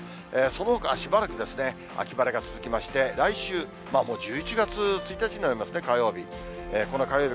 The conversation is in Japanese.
そのほかはしばらくですね、秋晴れが続きまして、来週、もう１１月１日になりますね、火曜日。